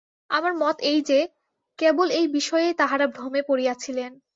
আমার মত এই যে, কেবল এই বিষয়েই তাঁহারা ভ্রমে পড়িয়াছিলেন।